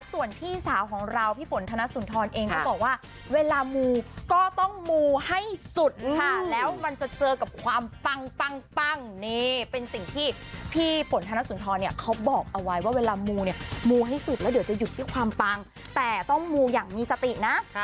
ส่วนพี่สาวของเราพี่ฝนธนสุนทรเองก็บอกว่าเวลามูก็ต้องมูให้สุดค่ะแล้วมันจะเจอกับความปังปังนี่เป็นสิ่งที่พี่ฝนธนสุนทรเนี่ยเขาบอกเอาไว้ว่าเวลามูเนี่ยมูให้สุดแล้วเดี๋ยวจะหยุดที่ความปังแต่ต้องมูอย่างมีสตินะ